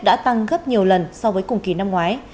đã tăng gấp nhiều lần so với cùng kỳ năm ngoái